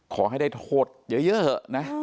ขอให้ได้โทษเยอะเถอะนะ